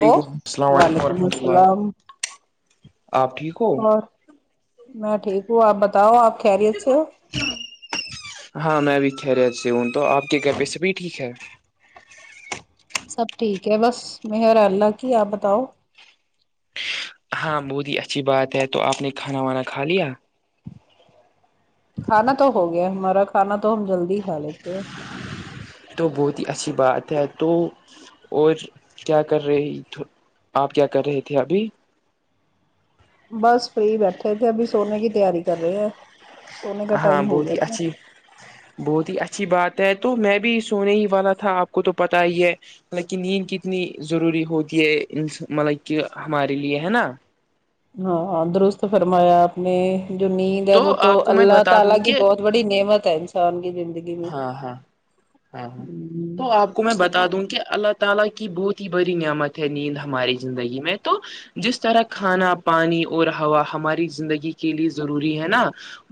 ہو وعلیکم السلام علیکم وعلیکم ورحمۃ اللہ السلام آپ ٹھیک ہو اور میں ٹھیک ہوں آپ بتاؤ آپ تو خیریت سے کو ہو [unintelligible] ہاں میں بھی خیریت سے ہوں تو آپ کے گھر پے سبھی ٹھیک ہے سب ٹھیک ہے بس مہر اللہ کی آپ بتاؤ ہاں بودی اچھی بات ہے تو آپ نے کھانا وانا کھا لیا کھانا تو ہو گیا ہمارا کھانا تو ہم جلدی ہی کھا لیتے ہیں تو بہت ہی اچھی بات ہے تو اور کیا کر رہے تھو آپ کیا کر رہے تھے ابھی بس فری بیٹھے تھے ابھی سونے کی تیاری کر رہے ہیں سونے کا ہاں ٹائم ہو بہت گیا ہی تھا اچھی بہت ہی اچھی بات ہے تو میں بھی سونے ہی والا تھا آپ کو تو پتا ہی ہے ملب کہ نیند کتنی ضروری ہوتی ہے ملب کہ ہمارے لیے ہے نا ہاں درست فرمایا آپ نے جو نیند ہے وہ تو آپ کو میں اللہ بتا دوں تعالی کی کہ بہت بڑی نعمت ہے انسان کی زندگی میں ہاں ہاں ہاں ہاں ہ تو آپ کو میں بتا دوں کہ اللہ تعالی کی بہت ہی بڑی نعمت ہے نیند ہماری زندگی میں تو جس طرح کھانا پانی اور ہوا ہماری زندگی کے لیے ضروری ہے نا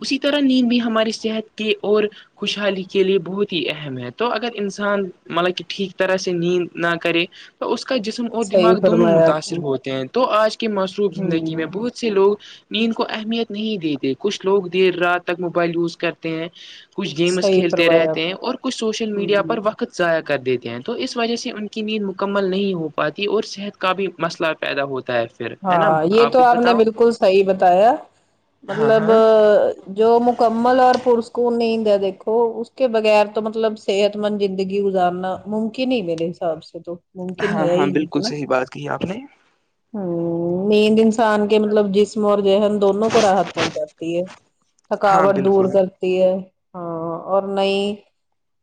اسی طرح نیند بھی ہماری صحت کے اور خوشحالی کے لیے بہت ہی اہم ہے تو اگر انسان مطلب کہ ٹھیک طرح سے نیند نہ کرے تو اس کا جسم اور صحیح دماغ دونوں فرمایا آپ نے متاثر ہوتے ہیں تو آج کے معصروف زندگی میں ہ بہت سے لوگ نیند کو اہمیت نہیں دیتے کچھ لوگ دیر رات تک موبائل یوز کرتے ہیں کچھ گیمس صحیح کھیلتے فرمایا رہتے آپ ہیں اور کچھ سوشل میڈیا نے پر ہ وقت ضائع کر دیتے ہیں تو اس وجہ سے ان کی نیند مکمل نہیں ہو پاتی اور صحت کا بھی مسئلہ پیدا ہوتا ہے پھر ہے نا ہاں یہ تو بھی آپ نے بتاؤ بالکل صحیح بتایا ہاں مطلب ہاں جو مکمل اور پرسکون نیند ہے دیکھو اس کے بغیر تو مطلب صحت مند زندگی گزارنا ممکن ہی میرے حساب سے تو ممکن ہاں ہے ہاں ہی نہیں بالکل ہے نا صحیح بات کہی آپ نے ہ نیند انسان کے مطلب جسم اور ذہن دونوں کو راحت پہنچاتی ہے ہاں تھکاوٹ دور بالکل کر تی ہے ہاں اور نئی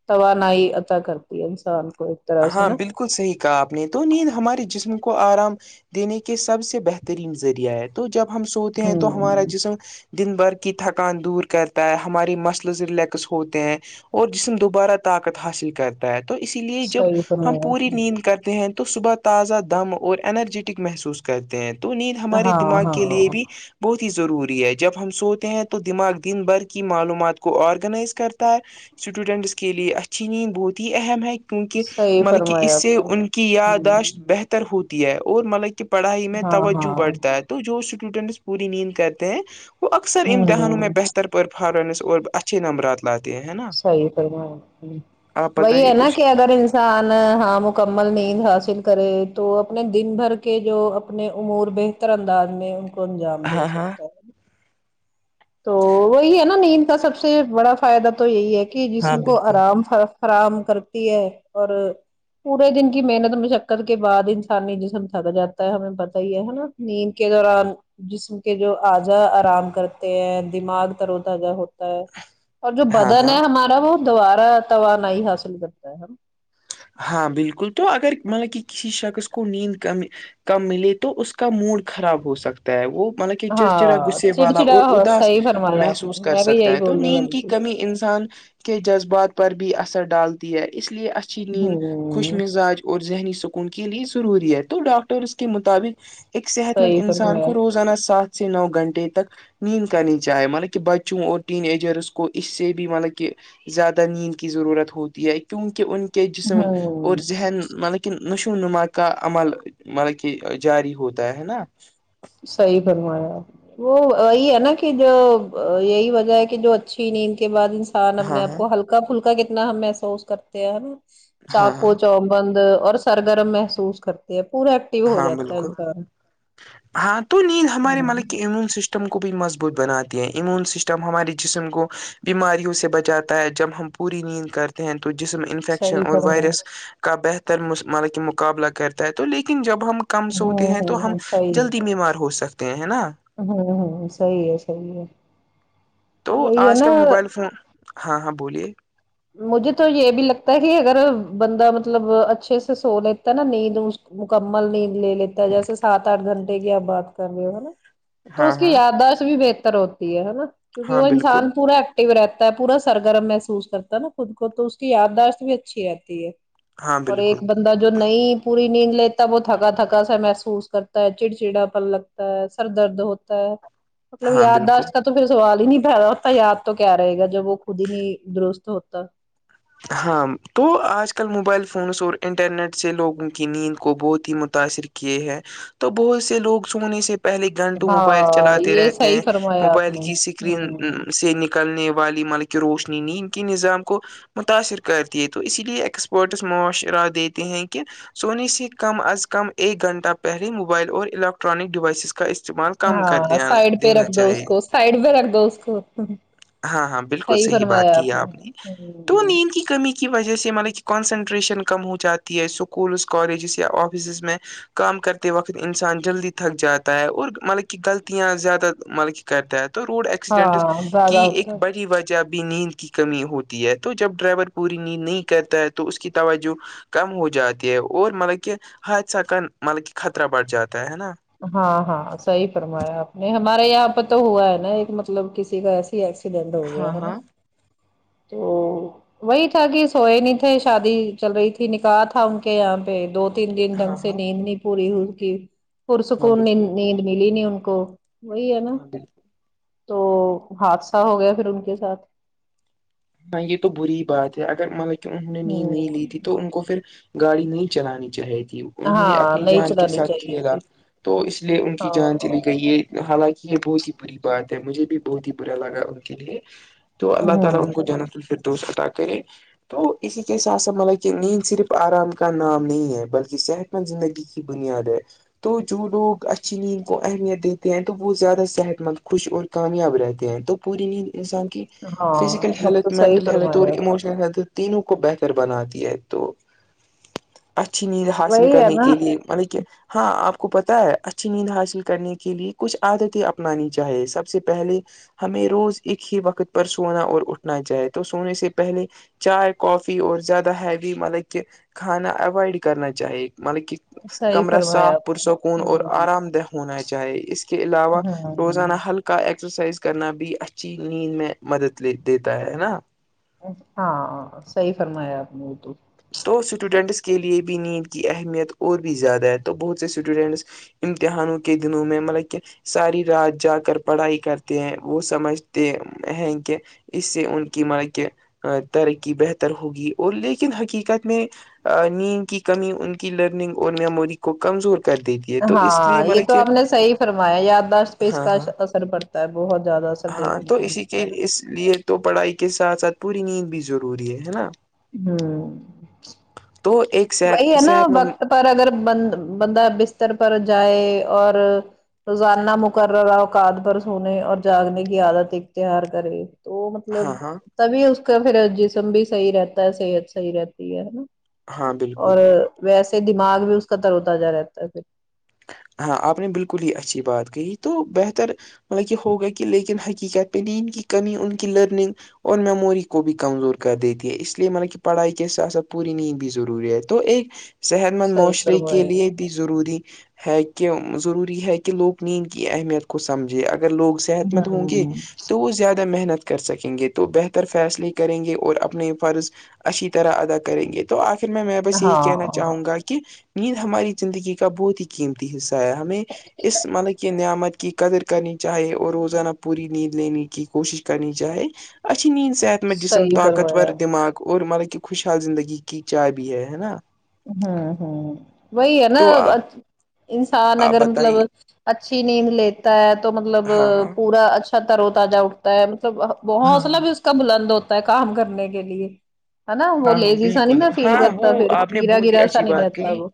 توانائی عطا کرتی ہے انسان کو طرح سے ہاں نا بل کل صحیح کہا آپ نے تو نیند ہمارے جسم کو آرام دینے کے سب سے بہترین ذریعہ ہے تو جب ہم سوتے ہیں تو ہمارا ہوں جسم دن بھر کی تھکان دور کرتا ہے ہماریے مسلز ریلیکس ہوتے ہیں اور جسم دوبارہ طاقت حاصل کرتا ہے تو اسی لیے جب صحیح ہم فرمایا پوری آپ نے نیند کرتے ہیں تو صبح تازہ دم اور انرجیٹک محسوس کرتے ہیں تو نیند ہمارے ہاں دماغ کے ہاں لیے بھی بہت ہی ضروری ہے جب ہم سوتے ہیں تو دماغ دن بھر کی معلومات کو آرگنائز کرتا ہے اسٹوڈینٹس کے لیے اچھی نیند بہت ہی اہم ہے کیونکہ صحیح مطلب کہ اس فرمایا سے آپ نے ان کی ہوں یاداشت بہ بہتر ہوتی ہے اور مطلب کہ پڑھائی میں ہاں توجہ ہاں بڑھتا ہے تو جو اسٹوڈنٹس پوری نیند کرتے ہیں وہ اکثر امتحانوں میں ہوں بہتر کر پررفارمنس اور اچھے نمبرات لاتے ہیں ہے نا صحیح فرمایا آپ نے آپ وہی بتائیے ہے نا کچھ کہ اگر ان انسان ہاں مکمل نیند حاصل کرے تو اپنے دن بھر کے جو اپنے امور میں بہتر انداز میں ان کو انجام دے ہاں ہاں سکتا ہے تو وہی ہے نا نیند کا سب سے بڑا فائدہ تو یہی ہے کہ ہاں جسم کو بالکل آرام فر فراہم کرتی ہے اور پورے دن کی محنت مشقت کے بعد انسانی جسم تھک جاتا ہے ہمیں پتہ ہی ہے نا نیند کے دوران جسم کے جو آجا آرام کر کرتے ہیں دماغ ترو تازہ ہوتا ہے اور جو ہاں بدن ہاں ہے ہمارا ا وہ دوبارہ توانائی حاصل کرتا ہ ہےا ہاں بالکل تو اگر مطلب کہ کسی شخص کو نیند کم ہے کم ملے تو اس کا موڈ خراب ہو سکتا ہے وہ ملک چڈ چھیڑا ہاں غصے والا چڑچڑا اور ہو اداس صحیح فرمایا آپ نے محسوس کر میں بھی سکتا یہی ہے تو بولنے نیند والی کی تھی کمی انسان کے جذبات پر بھی اثر ڈالتی ہے اس لیے اچھی نیند خوش ہ مزاج اور ذہنی سکون کے لیے ضروری ہے تو ڈاکٹر اس کے مطابق ایک صحت مند صحیح انسان فرمایا کو روزانہ سات سے نو گھنٹے تک نیند کرنی چاہے ملک کہ بچوں اور ٹین ایجرس کو اس سے بھی ملک کہ زیادہ نیند کی ضرورت ہوتی ہے کیونکہ ان کے جسم ہوں اور ذہن ملک نشو نما کا عمل ملک کہ جاری ہوتا ہے نا صحیح فرمایا وہ یہی ہے نا کہ جو یہی وجہ ہے کہ جو اچھی نیند کے بعد ان ہا نہ اپنے ہاں آپ ہاں کو ہلکا پھلکا کتنا ہم محسوس کرتے ہیں نا ہاں ہاں چاقو چ بند اور سرگرم محسوس کرتے ہیں پورا ایکٹو ہو ہاں جاتا ہے بالکل انسان ہاں تو نیند ہمارے ہوں ملک کے امیون سسٹم تم کو بھی مضبوط بناتی ہیں ایمیون سسٹم ہمارے جسم کو بیماریوں سے بچاتا ہے جب ہم پوری نیند کر ہیں تو جسم انفیکشن صحیح اور فرمایا وائرس کا بہتر مقابلہ کرتا ہے تو لی لیکن جب ہم کم سوتے ہوں ہیں تو ہم ہوں صحیح ہے جلدی بیمار ہو سکتے ہیں ہے نا ہوں ہوں صحیح ہے صحیح ہے تو وہی ہے آج نا کل موبائل فون ہاں ہاں بولیے مجھے تو یہ بھی لگتا ہے کہ اگر بندہ مطلب اچھے سے سو لیتا ہے نا نیند مکمل نیند لے لیتا جیسے سات آٹھ گھنٹے کی آپ بات کر رہے ہو نا تو ہاں اس کی ہاں یاداشت بھی بہتر ہوتی ہے نا کیونکہ ہاں وہ بالکل انسان پورا و رہتا ہے پورا سرگرم محسوس کرتا ہے نا خود کو تو اس کی یاداشت بھی اچھی رہتی ہے ہاں اور ایک بالکل بندہ جو نہیں پوری نیند لیتا وہ تھکا تھکا سا محسوس کرتا ہے چڑچڑا پل لگتا ہے سر درد ہوتا ہا مطلب ہاں بالکل یاداشت کا تو پھر سوال ہی نہیں پیدا اتا یاد تو کیا رہے گا جب وہ خود ہی نہیں درست ہوتا ہاں تو آج کل موبائل فونس اور انٹرنیٹ سے لوگوں کی نیند کو بہت ہی متاثر کیے ہیں تو بہت سے لوگ سونے سے پہلے گھنٹوں موبائل ہاں چلاتے یہ رہتے صحیح ہیں فرمایا آپ موبائل نے کی سکرین ہ سے نکلنے والی ملک کی روشنی نیند کی نظام کو متاثر کرتی ہے تو اسی لیے ایکسپرٹس معاشرہ دیتے ہیں کہ سونی سے کم از کم ایک گھنٹہ پہلے موبائل اور الیکٹرانک ڈیوائسز اس کا استعمال کم کر ہاں دیا سائڈ پہ دینا رکھ دو اس چاہیے کو سائڈ پہ رکھ دو اس کو ہاں ہاں بالکل صحیح بات کی آپ نے تو نیند کی کمی کی وجہ سے یہ مطلب کہ کنسنٹریشن کم ہو جاتی ہے اسکولز کالجز یا آفسز میں کام کرتے وقت انسان جلدی تھک جاتا ہے اور ملک کہ غلطیاں زیادہ ملک کرتا ہے تو روڈ ایکسیڈنٹس ہاں کی زیادہ ہوتا ایک ہے بڑی وجہ بھی نیند کی کمی ہوتی ہے تو جب ڈرائیور پوری نیند نہیں کرتا ہے تو اس کی توجہ کم ہو جاتی ہے اور ملک کہ حادثہ کا ملک کہ خطرہ بڑھ جاتا ہے نا ہاں ہاں صحیح فرمایا آپ نے ہمارے یہاں پہ تو ہوا ہے نا ایک مطلب کسی کا ایسا ایکسیڈینٹ ہو گیا ہاں ہے نا ہاں تو وہی تھا کہ سوئے نہیں تھے شادی چل رہی تھی نکاح تھا ان کے یہاں پہ دو تین دن ڈھنگ ہاں سے ہاں نیند نہیں پوری ہو اس کی ہاں پرسکون نے بالکل نیند ملی نہیں ان کو وہی ہے نا ہاں بالکل تو حادثہ ہو گیا پھر ان کے ساتھ ہاں یہ تو بری بات ہے اگرملک کہ انہوں نے نیند ہ نہیں لی تھی تو ان کو پھر گاڑی نہیں چلانی چاہے تھی انہوں نے ہاں اپنی نہیں جان کے چلانی ساتھ چاہیے کھیلا تھی تو اس لیے ان کی جان ہاں چلی گئی ہے حالانکہ یہ بہت ہی بری بات ہے مجھے بھی بہت ہی برا لگا ان کے لیے تو اللہ تعالی ہ ان کو جنت الفردوس عطا کرے تو اسی کے ساتھ سا مطلب کہ نیند صرف آرام کا نام نہیں ہے بلکہ صحت مند زندگی کی بنیاد ہے تو جو لوگ اچھی نیند کو اہمیت دیتے ہیں تو وہ زیادہ صحت مند خوش اور کامیاب رہتے ہیں تو پوری نیند انسان کی ہاں یہ تو سحی فرما یا صحت تینوں کو بہتر بناتی ہے تو اچھی نیند حاصل وہی ہے کرنے نا کے لیے مطلب کہ ہاں آپ کو پتا ہے اچھی نیند حاصل کرنے کے لیے کچھ عادتیں اپنانی چاہیے سب سے پہلے ہمیں روز ایک ہی وقت پر سونا اور اٹھ نہ چاہائے تو سونے سے پہلے چائے کافی اور زیادہ ہیوی مطلب کہ کھانا اوائڈ کرنا چاہ ہے مطلب کی صحیح کمرہ صاف فرمایا آپ نے پرسکون اور آرام دہ ہونا چاہیے اس کے علاوہ ہ ہ روزانہ ہلکا کا ایکسرسائز کرنا بھی اچھی نیند میں مدد لے دیتا ہے ہے نا ہاں سہی فرمایا آپ نے تو تو اسٹوڈنٹس کے لیے بھی نیند کی اہمیت اور بھی زیادہ ہے تو بہت سے اسٹوڈنٹس امتحانوں کے دنوں میں مطلب کہ ساری رات جا کر پڑھائی کرتے ہیں وہ سمجھتے ہیں کہ اس سے ان کی ما کہ ترقی بہتر ہوگی اور لیکن حقیق قت میں نیند کی کمی ان کی لرننگ اور میموری کو کمزور کر دیتی ہے تو اس لیے ہاں یہ مطلب تو کہ آپ نے صحی فرمایا یاداشت پہ اس ہاں کا ہاں اثر پڑتا ہے بہت زیادہ اثر ہاں دیکھنے تو کو اسی کے ملتا ہے نا اس لیے تو پڑھائی کے ساتھ ساتھ پوری نیند بھی ضروری ہے ہے نا ہمم تو ایک وہی صحت ہے نا صحت مند وقت پر اگر بند بندہ بستر پر جائے اور روزانہ مقررہ اوقات پر سنے اور جاگنے کی عادت اختیار کرے تو ہاں مطلب ہاں تبھی اس کا پھر جسم بھی صحیح رہتا ہے صحت صحیح رہتی ہے ہاں بالکل اور ویسے دماغ بھی اس کا تروتا جا رہتا ہے پھر ہاں آپ نے بالکل ہی اچھی بات کہی تو بہتر مطلب کی ہوگا کی لیکن حقیقت میں نیند کی کمی ان کی لرننگ اور میموری کو بھی کمزور کر دیتی ہے اس لیے مطلب کی پڑھائی کے س سب پوری نیند بھی ضروری ہے تو ایک صحت مند صحیح معاشرے کے فرمائے لیے بھی ضروری ہے کیو ضروری ہے کے لوگ نیند کی اہمیت کو سمجھے اگر لوگ صحت مند ہوں گے تو وہ زیادہ محنت کر کر سکیں گے تو بہتر فیصلے کریں گے اور اپنے فرض اچھی طرح ادا کریں گے تو تو آخر میں میں بس یہی کہنا ہاں چاہوں گا کی نیند ہماری زندگی کا بہت ہی قیمتی حصہ ہے ہمیں اس مطلب کی نعمت کی قدر کرنی چاہے اور روزانہ پوری نیند لینے کی کوشش کرنی چاہے اچھی نیند صحت میں جسم صحیح طاقتور فرمایا دماغ اور مطلب کہضی خوشحال زندگی کی چابی ہے ہے نا ہمم ہمم وہی ہے نا تو آپ انسان آپ اگر مطلب بتائیے اچھی نیند لیتا ہے تو مطلب ہاں ہاں پورا اچھا ترو تازہ اٹھتا ہوتا ہے مطلب ہاں حوصلہ ہاں بھی اس کا بلند ہوتا ہے کام کرنے کے لیے ہے نا وہ ہاں ہاں لیزی سا نہیں بالکل نا فیل ہاں وہ کرتا پھر آپ نے گرا بہت ہی گرا سا اچھی نہیں بات رہتا کہی وہ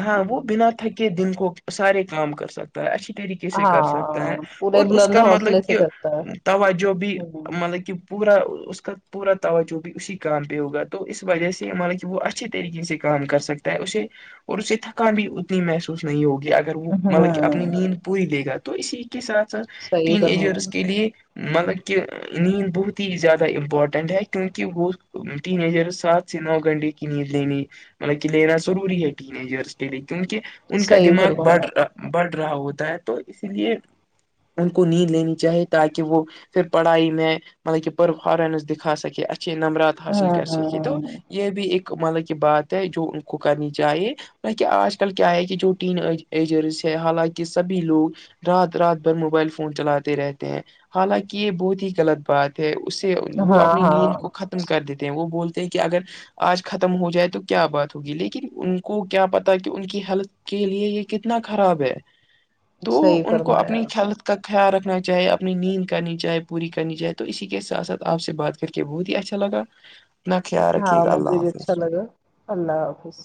ہاں وہ آمم بنا تھکے دن کو سارے کام کر سکتے تا اچھی طریقے سے کر سکتا ہے ہاں پورے اور اس بلند کا مطلب حوصلے سے کہ کرتا توجو بھی ہے مطلب کی پورا اس کا پورا توجو بھی اسی کا کام پے ہوگا تو اس وجہ سے مطلب کی وہ اچھے طریقے سے کام کر سکتا ہے اسے اور اسے تھکان بھی اتنی محسوس نہیں ہوگی اگ مطلب کی ہاں اپنی نیند پوری دے گا تو اسی کے ساتھ ساتھ صحیح تین ایجرس فرمایا کے لیے مطلب کہ نیند بہت ہی زیادہ امپارٹنٹ ہے کیونکی وہ ٹین ایجر سات سے نو گنڈے کی نیند لے نی مطلب کی لینا ضروری ہے ٹین ایجرس کے لیے کیونکے ان کا صحیح دماغ فرمایا بڑھ بڑھ رہا ہوتا ہے تو اسی لیے ان کو نیند لینی چاہیے تاکی وہ پھر پڑھائی میں مطلب کی پرفارمنس دکھا سکے اچھے نمبرات حاصل ہاں کر سکے تو ہاں یے بھی ایک مطلب کی بات ہے جو ان کو کرنی چاہیے کہ آج کل کیا ہے کی جوین ایجرس ہے حالانکہ سبھی لوگ رات رات بھر موبائل فون چلاتے رہتے ہیں حالانکی یے بہت ہی غلط بات اس سے وہ ہاں اپنی نیند ہاں کو ختم کر دیتے ہیں وہ بولتے ہیں کی اگر آج ختم ہو جائے تو کیا بات ہوگی لیکن ان کو کیا پتا کی ان کی ہیلت کے لیے یے کتنا خراب ہے تو صحیح ان کو فرمایا اپنی آپ نے۔ چل کا خیال رکھنا چاہے اپنی نیند کرنی چاہے پوری کرنی چاہے تو اسی کے ساتھ ساتھ آپ سے بات کر کے بہت ہی اچھا لگا اپنا خیال ہاں رکھیے گا مجھے اللہ بھی حافظ اچھا لگا اللہ حافظ